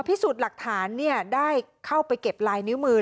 พิสูจน์หลักฐานได้เข้าไปเก็บลายนิ้วมือ